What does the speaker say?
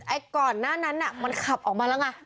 ก่อนหน้านั้นน่ะมันขับออกมาแล้วไง